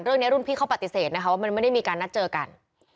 รุ่นพี่เขาปฏิเสธนะคะว่ามันไม่ได้มีการนัดเจอกัน